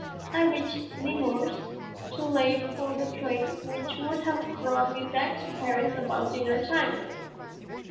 I reached Nemours too late for the train which would have brought me back to Paris about dinner time.